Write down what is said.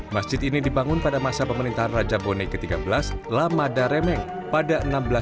masjid ini dibangun pada masa pemerintahan raja boneh ke tiga belas lama daremeng pada seribu enam ratus tiga puluh sembilan